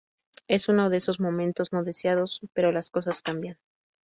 Es uno de esos momentos no deseados, pero las cosas cambian.